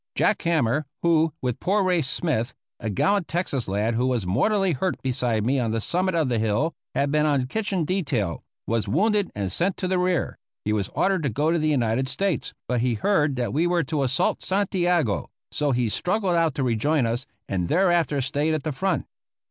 Jack Hammer, who, with poor Race Smith, a gallant Texas lad who was mortally hurt beside me on the summit of the hill, had been on kitchen detail, was wounded and sent to the rear; he was ordered to go to the United States, but he heard that we were to assault Santiago, so he struggled out to rejoin us, and thereafter stayed at the front.